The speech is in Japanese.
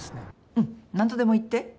うん何とでも言って。